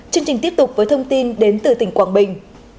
chương trình tiếp tục với thông tin đến từ tỉnh quảng bình